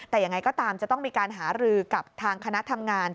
แต่ยังไงก็ตามจะต้องมีการหารือกับทางคณะทำงาน